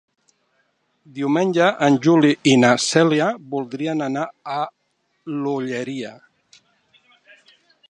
Diumenge en Juli i na Cèlia voldrien anar a l'Olleria.